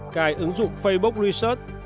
cài ứng dụng facebook research